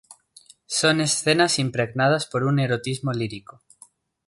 Son escenas impregnadas por un erotismo lírico.